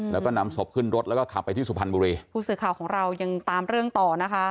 แล้วก็นำศพขึ้นรถแล้วก็ขับไปที่สุพรรณบุรีผู้สื่อข่าวของเรายังตามเรื่องต่อนะคะ